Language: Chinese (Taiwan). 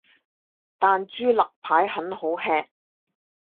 但豬肋排很好吃